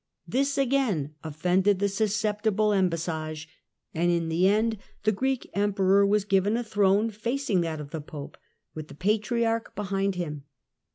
This again offended the susceptible embassage, and in the end the Greek Emperor was given a throne facing that of the Pope, with the Patriarch behind him.